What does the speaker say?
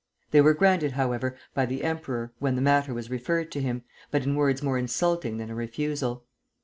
They were granted, however, by the emperor, when the matter was referred to him, but in words more insulting than a refusal.